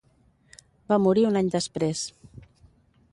Va morir un any després.